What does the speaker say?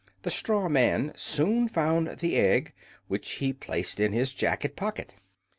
The straw man soon found the egg, which he placed in his jacket pocket.